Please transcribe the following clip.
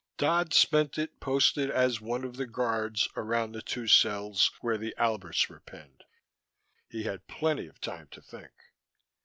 Dodd spent it posted as one of the guards around the two cells where the Alberts were penned. He had plenty of time to think.